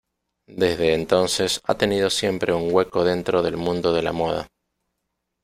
Desde entonces ha tenido siempre un hueco dentro del mundo de la moda.